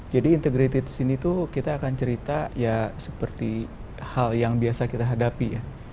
jadi integratif di sini itu kita akan cerita seperti hal yang biasa kita hadapi